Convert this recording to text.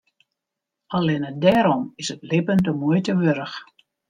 Allinne dêrom is it libben de muoite wurdich.